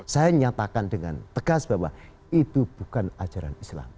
saya nyatakan dengan tegas bahwa itu bukan ajaran islam